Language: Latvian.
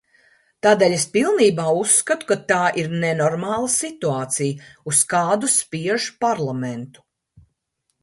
Tādēļ es pilnībā uzskatu, ka tā ir nenormāla situācija, uz kādu spiež parlamentu.